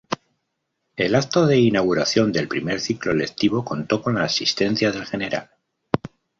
El acto de inauguración del primer ciclo lectivo contó con la asistencia del Gral.